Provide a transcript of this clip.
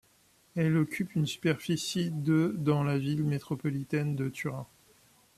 Elle occupe une superficie de dans la ville métropolitaine de Turin.